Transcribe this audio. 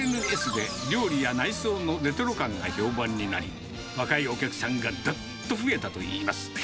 ＳＮＳで、料理や内装のレトロ感が評判になり、若いお客さんがどっと増えたといいます。